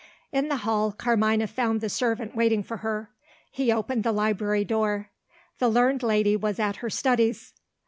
In the hall, Carmina found the servant waiting for her. He opened the library door. The learned lady was at her studies.